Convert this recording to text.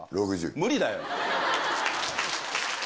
無理だよ。